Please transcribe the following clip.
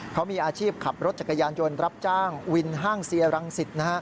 เขามีอาชีพขับรถจักรยานยนต์รับจ้างวินห้างเซียรังสิต